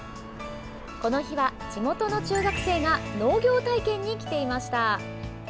この日は地元の中学生が農業体験に来ていました。